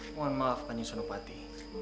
mohon maafkan nyai sunupati